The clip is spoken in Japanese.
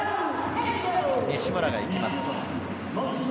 西村が行きます。